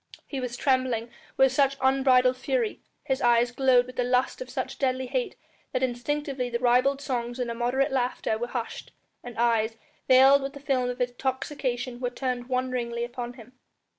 He was trembling with such unbridled fury, his eyes glowed with the lust of such deadly hate that instinctively the ribald songs and immoderate laughter were hushed, and eyes, veiled with the film of intoxication were turned wonderingly upon him.